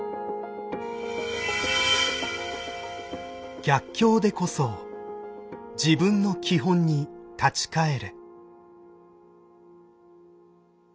「逆境でこそ『自分の基本』に立ち返れ」。